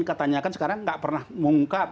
katanya kan sekarang nggak pernah mengungkap